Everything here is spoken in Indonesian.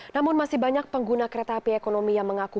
namun masih banyak pengguna kereta api ekonomi yang mengaku